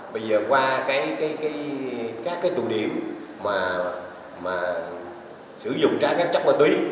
bây giờ qua các tù điểm sử dụng trái phép chất ma túy